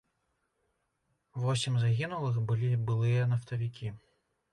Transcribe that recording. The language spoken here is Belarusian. Восем загінулых былі былыя нафтавікі.